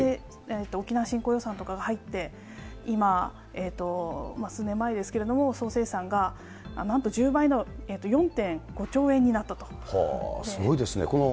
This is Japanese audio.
沖縄振興予算とかが入って、今、数年前ですけれども、総生産が、なんと１０倍の４．５兆円になったと。